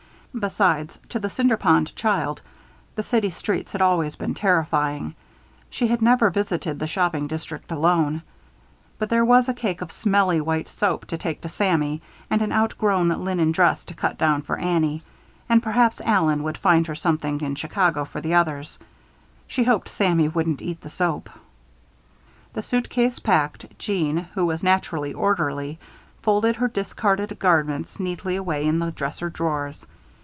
Besides, to the Cinder Pond child, the city streets had always been terrifying. She had never visited the shopping district alone. But there was a cake of "smelly" white soap to take to Sammy and an outgrown linen dress to cut down for Annie, and perhaps Allen would find her something in Chicago for the others. She hoped Sammy wouldn't eat the soap. The suitcase packed, Jeanne, who was naturally orderly, folded her discarded garments neatly away in the dresser drawers.